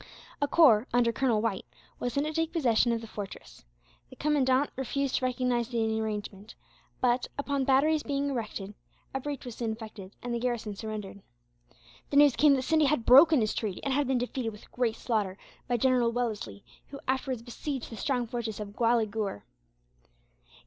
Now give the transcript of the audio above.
A corps, under Colonel White, was sent to take possession of the fortress. The commandant refused to recognize the arrangement but, upon batteries being erected, a breach was soon effected, and the garrison surrendered. The news came that Scindia had broken his treaty, and had been defeated with great slaughter by General Wellesley, who afterwards besieged the strong fortress of Gawilghur.